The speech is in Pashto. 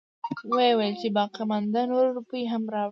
وويلې چې باقيمانده نورې روپۍ هم راوړه.